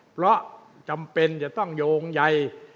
เพราะจำเป็นจะต้องโยงใย